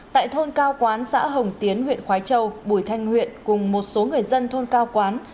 tại thôn cao quán xã hồng tiến huyện khói châu bùi thanh huyện cùng một số người dân thôn cao quán